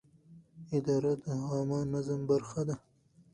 اداره د عامه نظم برخه ده.